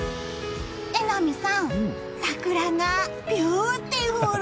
榎並さん、桜がビューティフル！